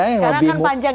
karena kan panjang ya